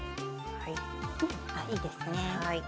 いいですね。